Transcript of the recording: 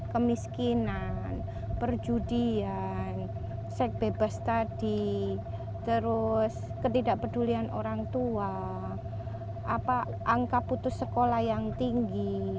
kemiskinan perjudian seks bebas tadi terus ketidakpedulian orang tua angka putus sekolah yang tinggi